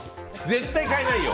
絶対変えないよ。